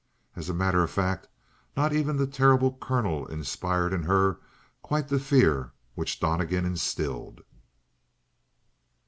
As a matter of fact, not even the terrible colonel inspired in her quite the fear which Donnegan instilled.